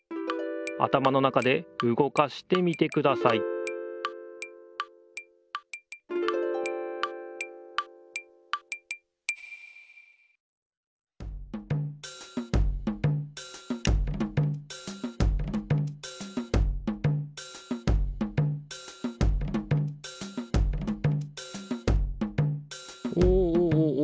あたまの中でうごかしてみてくださいおおおお。